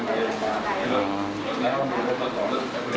ไม่ให้เขาไป